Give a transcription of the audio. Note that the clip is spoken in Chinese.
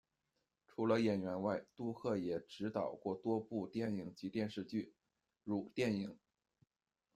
除了演员外，杜克也执导过多部电影及电视剧，如电影《》。